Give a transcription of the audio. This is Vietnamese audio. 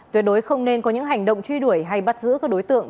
tuyệt đối không nên có những hành động truy đuổi hay bắt giữ các đối tượng